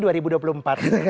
takutnya seperti itu